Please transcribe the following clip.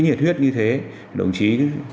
nhiệt huyết như thế đồng chí